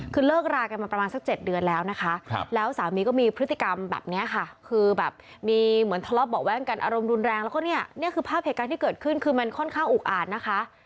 คือเลิกรากันมาประมาณสัก๗เดือนแล้วนะคะแล้วสามีก็มีพฤติกรรมแบบนี้ค่ะคือแบบมีเหมือนทะเลาะเบาะแว้งกันอารมณ์รุนแรงแล้วก็เนี่ยนี่คือภาพเหตุการณ์ที่เกิดขึ้นคือมันค่อนข้างอุกอาดนะคะ